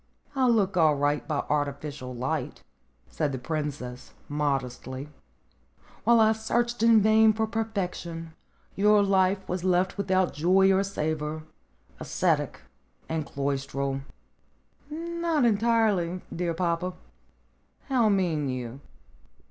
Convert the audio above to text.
"I look all right by artificial light," said the princess modestly. "While I searched in vain for perfection, your life was left without joy or savor, ascetic, and cloistral." "Not entirely, dear papa." "How mean you?"